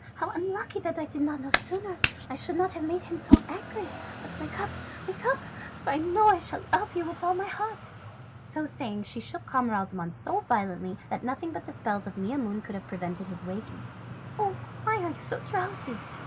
How unlucky that I did not know sooner! I should not have made him so angry. But wake up! wake up! for I know I shall love you with all my heart." So saying she shook Camaralzaman so violently that nothing but the spells of Maimoune could have prevented his waking. "Oh!" cried the princess. "Why are you so drowsy?"